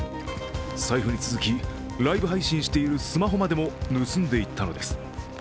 財布に続き、ライブ配信しているスマホまでも盗んでいったのです。